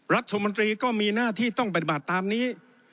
รัฐมนตรีก็มีหน้าที่ต้องปฏิบัติตามนี้